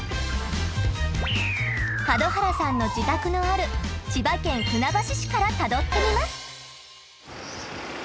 門原さんの自宅のある千葉県船橋市からたどってみます。